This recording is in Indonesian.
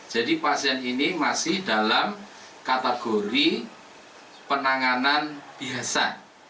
jadi pasien ini masih dalam kategori penanganan biasa